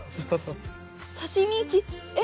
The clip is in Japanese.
刺身えっ？